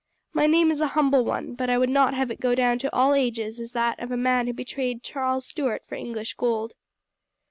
My name is a humble one, but I would not have it go down to all ages as that of a man who betrayed Charles Stuart for English gold."